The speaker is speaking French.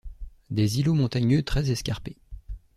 Des îlots montagneux très-escarpés